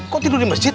kok tidur di masjid